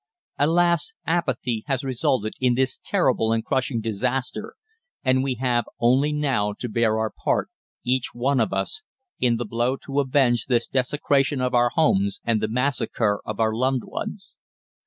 "Alas! apathy has resulted in this terrible and crushing disaster, and we have only now to bear our part, each one of us, in the blow to avenge this desecration of our homes and the massacre of our loved ones.